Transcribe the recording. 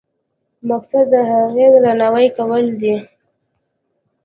مقصد د هغې درناوی کول دي.